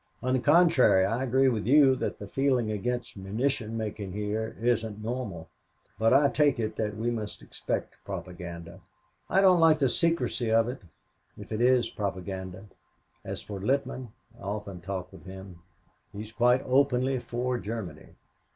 On the contrary, I agree with you that the feeling against munition making here isn't normal, but I take it that we must expect propaganda. I don't like the secrecy of it, if it is propaganda. As for Littman, I often talk with him. He's quite openly for Germany.